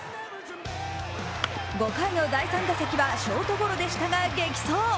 ５回の第３打席はショートゴロでしたが激走。